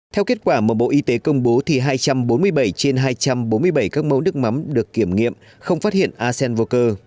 theo kết quả mà bộ y tế công bố thì hai trăm bốn mươi bảy trên hai trăm bốn mươi bảy các mẫu nước mắm được kiểm nghiệm không phát hiện acen vô cơ